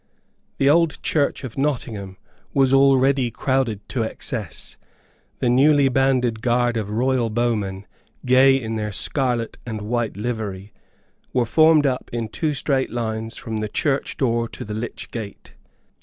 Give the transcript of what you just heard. The old church of Nottingham was already crowded to excess. The newly banded guard of Royal bowmen, gay in their scarlet and white livery, were formed up in two straight lines from the church door to the lych gate.